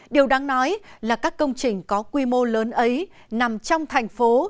điều đáng nói là các công trình có quy mô lớn ấy nằm trong thành phố